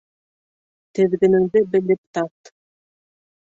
Теҙгенеңде белеп тарт.